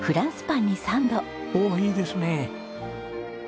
おおいいですね。